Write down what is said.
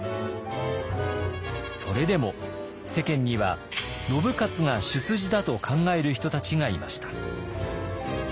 それでも世間には信雄が主筋だと考える人たちがいました。